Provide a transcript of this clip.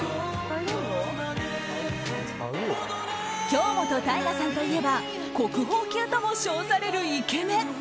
京本大我さんといえば国宝級とも称されるイケメン。